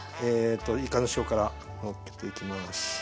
いかの塩辛のっけていきます。